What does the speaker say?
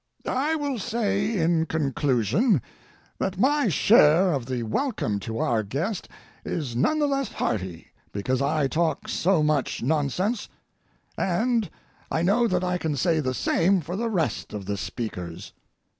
I will say in conclusion, that my share of the welcome to our guest is none the less hearty because I talk so much nonsense, and I know that I can say the same far the rest of the speakers.